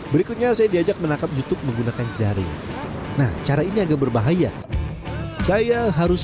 berikutnya saya diajak menangkap youtube menggunakan jaring nah cara ini agak berbahaya saya harus